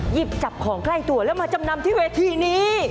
หยิบจับของใกล้ตัวแล้วมาจำนำที่เวทีนี้